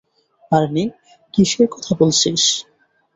আর্নি, কিসের কথা বলছিস?